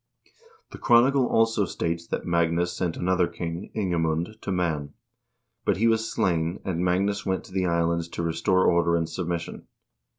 The chronicle also states that Magnus sent another king, Ingemund, to Man ; but he was slain, and Magnus went to the Islands to restore order and submission.